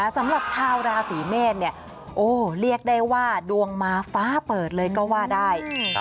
สำหรับชาวราศีเมษเรียกได้ว่าดวงมาฟ้าเปิดเลยก็ว่าได้